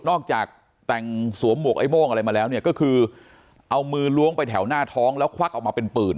ออกจากแต่งสวมหมวกไอ้โม่งอะไรมาแล้วเนี่ยก็คือเอามือล้วงไปแถวหน้าท้องแล้วควักออกมาเป็นปืน